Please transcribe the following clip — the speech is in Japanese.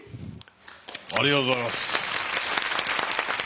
ありがとうございます。